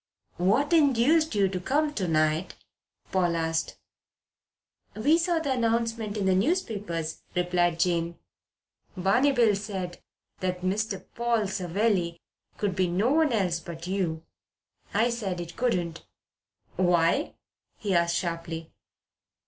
"What induced you to come to night?" Paul asked. "We saw the announcement in the newspapers," replied Jane. "Barney Bill said the Mr. Paul Savelli could be no one else but you. I said it couldn't." "Why?" he asked sharply.